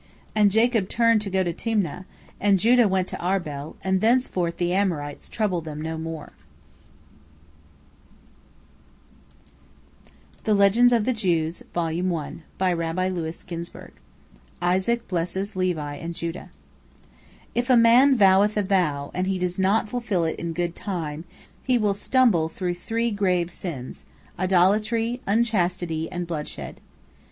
And Jacob turned to go to Timna, and Judah went to Arbel, and thenceforth the Amorites troubled them no more. ISAAC BLESSES LEVI AND JUDAH If a man voweth a vow, and he does not fulfil it in good time, he will stumble through three grave sins, idolatry, unchastity, and bloodshed.